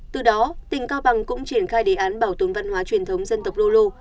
từ đó tỉnh cao bằng cũng triển khai đề án bảo tồn văn hóa truyền thống dân tộc rô lô